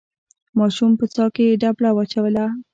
ماشوم په څاه کې ډبله واچوله.